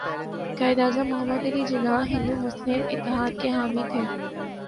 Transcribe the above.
قائداعظم محمد علی جناح ہندو مسلم اتحاد کے حامی تھے